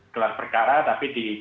kelas perkara tapi di